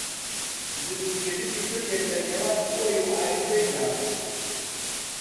دروستکردنی پردێک لەنێوان خۆی و ئایندەیدا